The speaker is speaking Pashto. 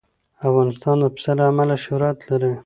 افغانستان د پسه له امله شهرت لري.